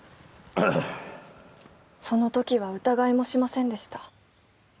そのときは疑いもしませんでした。